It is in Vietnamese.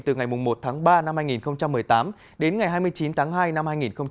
từ ngày một tháng ba năm hai nghìn một mươi tám đến ngày hai mươi chín tháng hai năm hai nghìn hai mươi